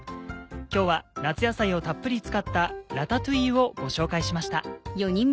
今日は夏野菜をたっぷり使った「ラタトゥイユ」をご紹介しました。